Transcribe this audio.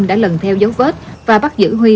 đã lần theo dấu vết và bắt giữ huy